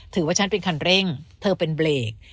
ฉันว่าฉันเป็นคันเร่งเธอเป็นเบรก